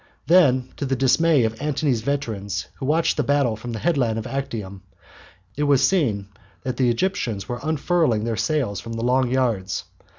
Then, to the dismay of Antony's veterans who watched the battle from the headland of Actium, it was seen that the Egyptians were unfurling their sails from the long yards.